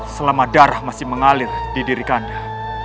selama darah masih mengalir di diri kanda